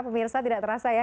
pemirsa tidak terasa ya